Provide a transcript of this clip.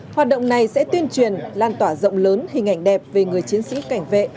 hoạt động này sẽ tuyên truyền lan tỏa rộng lớn hình ảnh đẹp về người chiến sĩ cảnh vệ